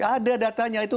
ada datanya itu